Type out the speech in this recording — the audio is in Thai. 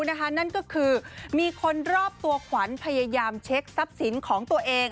นั่นก็คือมีคนรอบตัวขวัญพยายามเช็คทรัพย์สินของตัวเอง